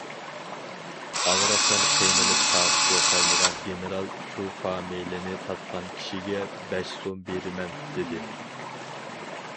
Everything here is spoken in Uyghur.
ئاغرىقتىن قىينىلىپ تاقىتى قالمىغان گېنېرال شۇ فامىلىنى تاپقان كىشىگە بەش سوم بېرىمەن، دېدى.